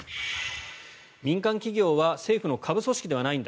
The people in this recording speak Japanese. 民間企業は政府の下部組織ではないんだ